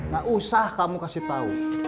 gak usah kamu kasih tahu